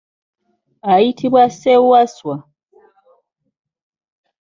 Ayitibwa Ssewaswa.